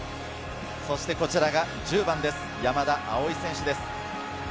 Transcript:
こちらが１０番・山田蒼選手です。